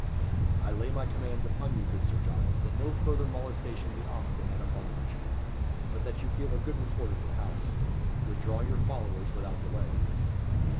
"I lay my commands upon you, good Sir Giles, that no further molestation be offered to Madame Bonaventure, but that you give a good report of her house. Withdraw your followers without delay."